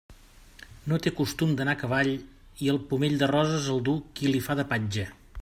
No té costum d'anar a cavall i el pomell de roses el duu qui li fa de patge.